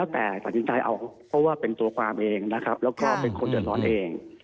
เพราะว่าเป็นตัวความเองนะครับแล้วก็เป็นคนเดือดร้อนเอง